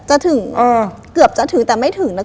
จะถึงเกือบจะถึงแต่ไม่ถึงนะคะ